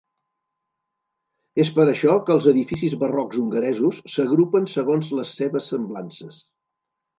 És per això que els edificis barrocs hongaresos s"agrupen segons les seves semblances.